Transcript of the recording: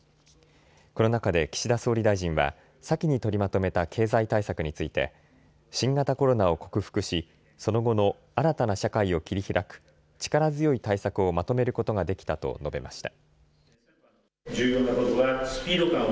この中で岸田総理大臣は先に取りまとめた経済対策について新型コロナを克服し、その後の新たな社会を切り開く力強い対策をまとめることができたと述べました。